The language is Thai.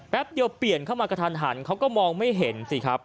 เดียวเปลี่ยนเข้ามากระทันหันเขาก็มองไม่เห็นสิครับ